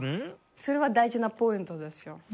それは大事なポイントですよ。